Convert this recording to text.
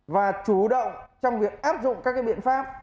và chủ động trong việc áp dụng các biện pháp